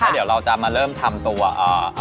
เดี๋ยวเราจะมาเริ่มทำตัวอ่า